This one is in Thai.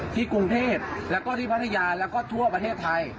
ที่กรุงเทพแล้วก็ที่พัทยาแล้วก็ทั่วประเทศไทย